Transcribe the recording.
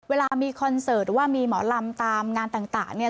เวลามีคอนเสิร์ตหรือว่ามีหมอลำตามงานต่างเนี่ย